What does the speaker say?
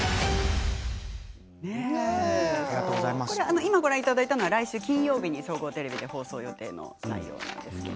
今ご覧いただいたのは来週金曜日に総合テレビで放送予定の内容です。